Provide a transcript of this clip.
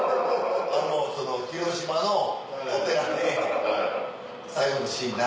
広島のお寺で最後のシーンな。